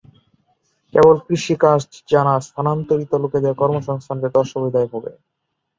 কেবল কৃষি কাজ জানা স্থানান্তরিত লোকেদের কর্মসংস্থান পেতে অসুবিধায় ভোগে।